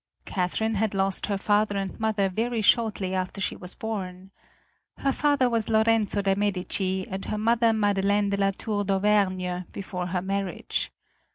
Catherine had lost her father and mother very shortly after she was born. Her father was Lorenzo de' Medici, and her mother Madeleine de la Tour d'Auvergne before her marriage.